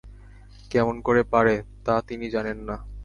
কেমন করে পারে, তা তিনি জানেন না।